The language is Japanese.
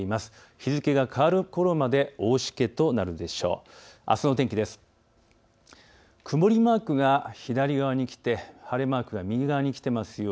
日付が変わるころまで大しけとなるでしょう。